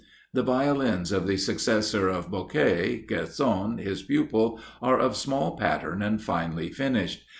The Violins of the successor of Bocquay, Guersan, his pupil, are of small pattern, and finely finished.